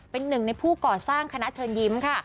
เป็นหนึ่งในผู้ก่อสร้างคณะเชิญยิ้มค่ะ